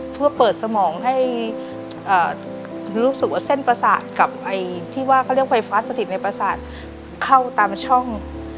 เพื่อเปิดสมองให้รู้สึกว่าเส้นประสาทกับไฟฟ้าสถิตในประสาทเข้าตามช่อง